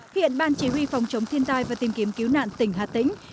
hiện ban chỉ huy phòng chống thiên tai và tìm kiếm cứu nạn tỉnh hà tĩnh